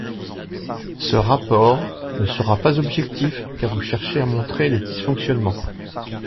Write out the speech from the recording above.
Ce rapport ne sera pas objectif car vous cherchez à montrer des dysfonctionnements.